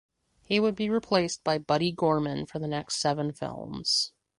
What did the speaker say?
He would be replaced by Buddy Gorman for the next seven films.